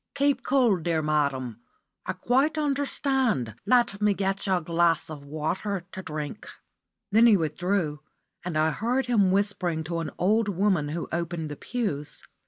"Keep cool, dear madam. I quite understand. Let me get you a glass of water to drink." Then he withdrew, and I heard him whispering to an old woman who opened the pews.